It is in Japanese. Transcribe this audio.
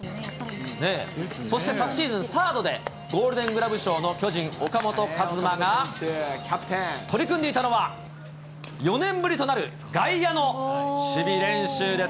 そして昨シーズン、サードでゴールデン・グラブ賞の巨人、岡本和真が取り組んでいたのは、４年ぶりとなる外野の守備練習です。